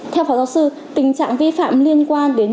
theo phó giáo sư tình trạng vi phạm liên quan đến